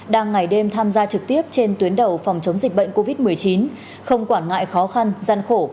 đang ngày đêm tham gia trực tiếp trên tuyến đầu phòng chống dịch bệnh covid một mươi chín không quản ngại khó khăn gian khổ